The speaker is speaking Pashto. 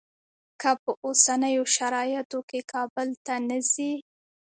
که په اوسنیو شرایطو کې کابل ته نه ځې.